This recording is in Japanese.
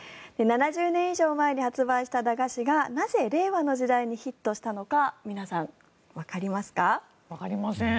７０年以上前に発売し駄菓子がなぜ令和の時代にヒットしたのかわかりません。